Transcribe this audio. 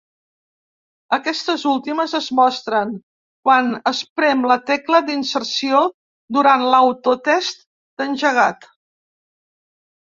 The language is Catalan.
Aquestes últimes es mostren quan es prem la tecla d'inserció durant l'autotest d'engegat.